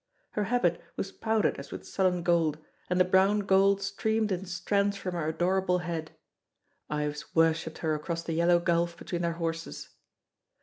Her habit was powdered as with sullen gold, and the brown gold streamed in strands from her adorable head. Ives worshipped her across the yellow gulf between their horses.